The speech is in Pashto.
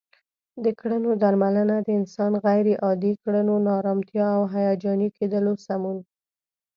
د کړنو درملنه د انسان غیر عادي کړنو، ناآرامتیا او هیجاني کیدلو سمون